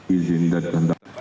izin dan danda